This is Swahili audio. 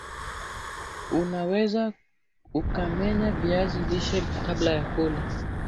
una weza ukamenya viazi lishe kabla ya kula